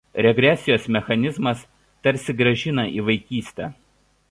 Regresijos mechanizmas tarsi grąžina į vaikystę.